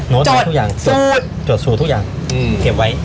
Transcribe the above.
ทอดทุกอย่างจดสูตรทุกอย่างเก็บไว้